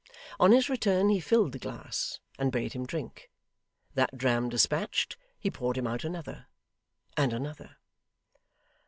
On his return he filled the glass, and bade him drink. That dram despatched, he poured him out another, and another.